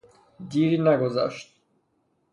دیری نگذاشت